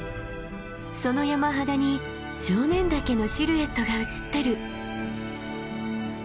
その山肌に常念岳のシルエットが映ってる。